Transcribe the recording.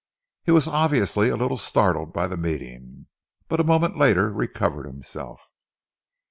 He was obviously a little startled by the meeting, but a moment later recovered himself.